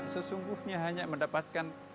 sesungguhnya hanya mendapatkan